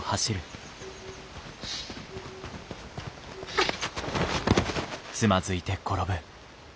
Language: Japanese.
あっ！